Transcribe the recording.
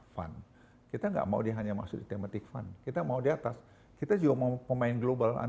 fun kita nggak mau dia hanya masuk di tematik fund kita mau di atas kita juga mau pemain global un